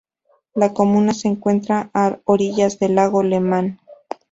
La comuna se encuentra a orillas del lago Lemán.